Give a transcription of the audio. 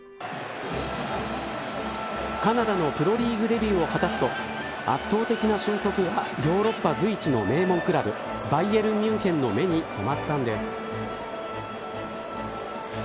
カナダのプロリーグデビューを果たすと圧倒的な俊足がヨーロッパ随一の名門クラブ、バイエルン・ミュンヘンの目にとまったんです。